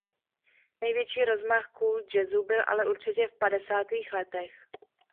Největší rozmach cool jazzu byl ale určitě v padesátých letech.